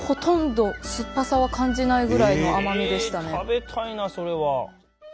食べたいなそれは。